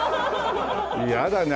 嫌だね。